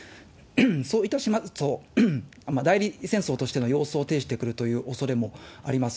そういたしますと、代理戦争としての様相を呈してくるというおそれもあります。